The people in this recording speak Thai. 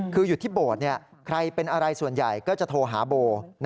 คืออยู่ที่โบสถ์ใครเป็นอะไรส่วนใหญ่ก็จะโทรหาโบ